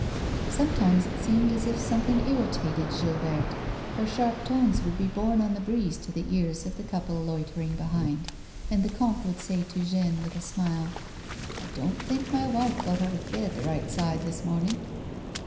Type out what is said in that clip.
Sometimes it seemed as if something irritated Gilberte. Her sharp tones would be borne on the breeze to the ears of the couple loitering behind, and the comte would say to Jeanne, with a smile :" I don't think my wife got out of bed the right side, this morning."